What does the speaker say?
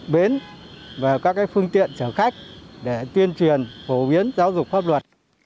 bến và các phương tiện chở khách để tuyên truyền phổ biến giáo dục pháp luật